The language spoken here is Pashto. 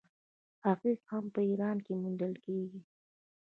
عقیق هم په ایران کې موندل کیږي.